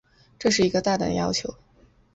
这是一个大胆的要求。